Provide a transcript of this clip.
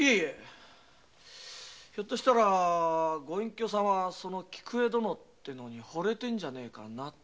ひょっとしてご隠居様はその菊江殿ってのに惚れてんじゃねえかなって。